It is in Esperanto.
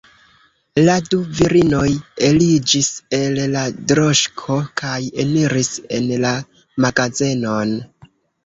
La du virinoj eliĝis el la droŝko kaj eniris en la magazenon.